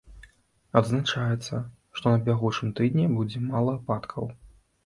Адзначаецца, што на бягучым тыдні будзе мала ападкаў.